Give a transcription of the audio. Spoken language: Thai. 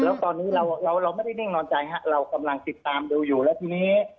แล้วตอนนี้เราเราไม่ได้นิ่งนอนใจฮะเรากำลังติดตามดูอยู่แล้วทีนี้